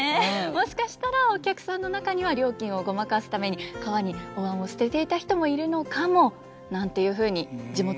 もしかしたらお客さんの中には料金をごまかすために川にお碗を捨てていた人もいるのかもなんていうふうに地元でも言われているそうです。